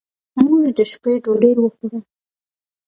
موږ د شپې ډوډۍ وخوړه.